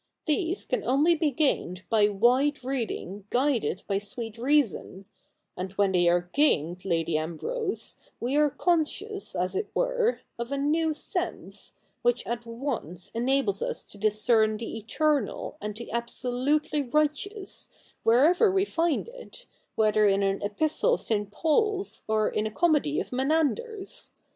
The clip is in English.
These can only be gained by wide reading guided by sweet reason ; and when they are gained, Lady Ambrose, we are conscious, as it were, of a new sense, which at once enables us to discern the Eternal and the absolutely righteous, wherever we find it, whether in an epistle of St. Paul's or in a comedy of Menander's.